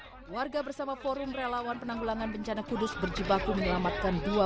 hai warga bersama forum relawan penanggulangan bencana kudus berjibaku menyelamatkan dua